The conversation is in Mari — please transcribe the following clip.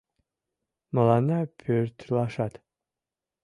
Мыланна пӧртылашат